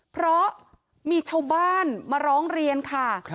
เพราะมีชาวบ้านมาร้องเรียนค่ะ